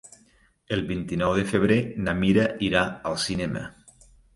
El vint-i-nou de febrer na Mira irà al cinema.